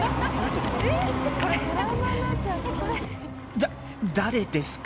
だ、誰ですか？